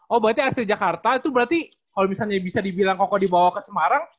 oh berarti asli jakarta itu berarti kalo misalnya bisa dibilang kok dibawa ke semarang